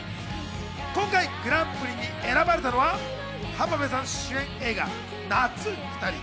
今回グランプリに選ばれたのは浜辺さん主演映画『夏、ふたり』。